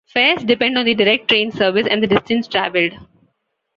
Fares depend on the direct train service and the distance travelled.